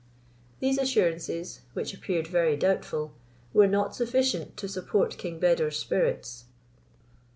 These assurances, which appeared very doubtful, were not sufficient to support King Beder's spirits.